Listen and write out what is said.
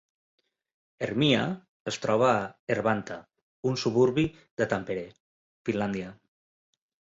Hermia es troba a Hervanta, un suburbi de Tampere, Finlàndia.